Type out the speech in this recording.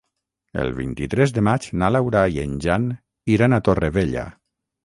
El vint-i-tres de maig na Laura i en Jan iran a Torrevella.